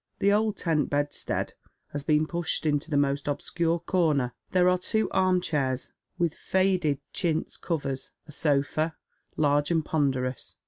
The old tent bedstead has been pushed into the most obscure corner. There are two arm chairs, with faded chintz covers, a sofa, large and ponderous.